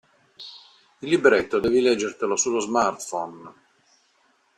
Il libretto devi leggertelo sullo smartphone.